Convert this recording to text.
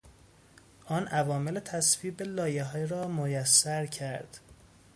آن عوامل تصویب لایحه را میسر کرد.